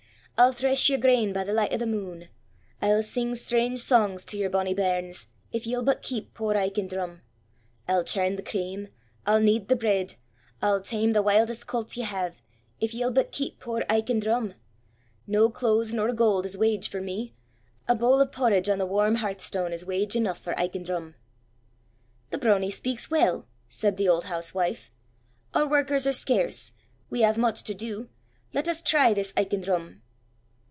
I'll thresh your grain by the light of the moon. I'll sing strange songs to your bonny bairns, if ye'll but keep poor Aiken Drum! I'll churn the cream, I'll knead the bread, I'll tame the wildest colts ye have, if ye'll but keep poor Aiken Drum! No clothes nor gold is wage for me. A bowl of porridge on the warm hearthstone is wage enough for Aiken Drum!" "The Brownie speaks well," said the old housewife. "Our workers are scarce. We have much to do. Let us try this Aiken Drum."